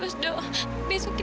besok kita tetap menikmati